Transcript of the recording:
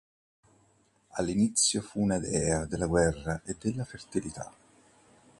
All'inizio fu una dea della guerra e della fertilità.